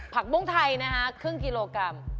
ผักบุ้งไทยครึ่งกิโลกรัม